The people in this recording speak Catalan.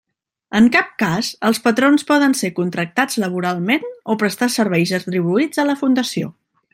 En cap cas els patrons poden ser contractats laboralment o prestar serveis retribuïts a la Fundació.